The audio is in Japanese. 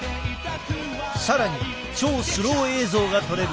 更に超スロー映像が撮れる